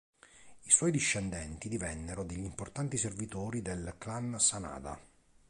I suoi discendenti divennero degli importanti servitori del clan Sanada.